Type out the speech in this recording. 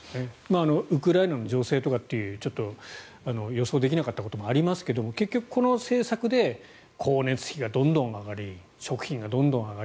ウクライナの情勢とか予想できなかったこともありますが結局、この政策で光熱費がどんどん上がり食品がどんどん上がり